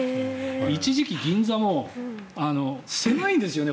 一時期、銀座も狭いんですよね